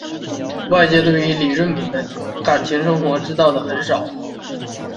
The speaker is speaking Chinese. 外界对于李闰珉的感情生活知道的很少。